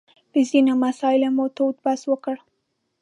په ځینو مسایلو مو تود بحث وکړ.